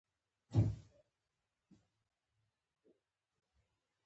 د مځکې ځینې برخې تل یخې وي.